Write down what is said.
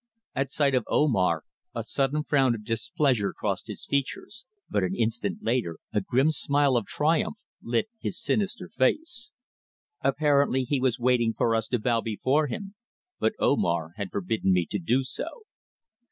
At sight of Omar a sudden frown of displeasure crossed his features, but an instant later a grim smile of triumph lit his sinister face. Apparently he was waiting for us to bow before him, but Omar had forbidden me to do so.